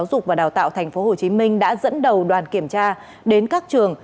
giáo dục và đào tạo tp hcm đã dẫn đầu đoàn kiểm tra đến các trường